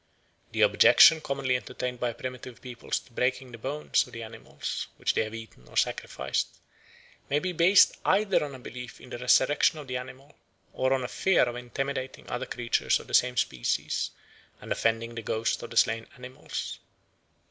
The objection commonly entertained by primitive peoples to break the bones of the animals which they have eaten or sacrificed may be based either on a belief in the resurrection of the animals, or on a fear of intimidating other creatures of the same species and offending the ghosts of the slain animals.